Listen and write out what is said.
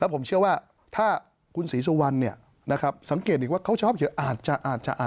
แล้วผมเชื่อว่าถ้าคุณศรีสุวรรณสังเกตอีกว่าเขาชอบเยอะอาจจะ